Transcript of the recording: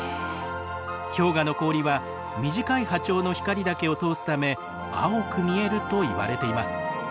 氷河の氷は短い波長の光だけを通すため青く見えるといわれています。